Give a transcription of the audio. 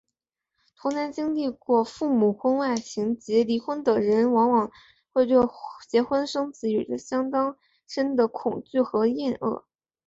童年经历过父母婚外情及离婚的人往往会对结婚生子有着相当深的恐惧和厌恶。